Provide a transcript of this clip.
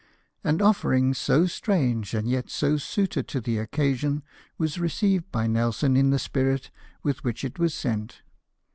An offering so strange, and yet so suited to the occasion, was received by Nelson in the spirit with which it was sent.